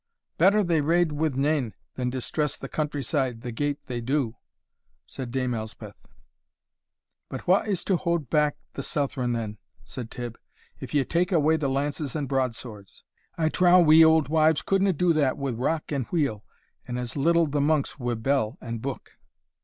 "Better they rade wi' nane than distress the country side the gate they do," said Dame Elspeth. "But wha is to haud back the Southron, then," said Tibb, "if ye take away the lances and broadswords? I trow we auld wives couldna do that wi' rock and wheel, and as little the monks wi' bell and book."